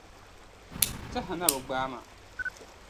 Tɛha na bi gbaa’ ma.